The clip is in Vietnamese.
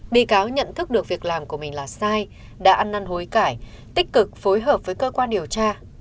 bị cáo nhận thức được việc làm của mình là sai đã ăn năn hối cải tích cực phối hợp với cơ quan điều tra